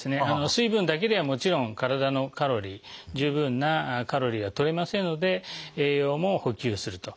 水分だけではもちろん体のカロリー十分なカロリーがとれませんので栄養も補給すると。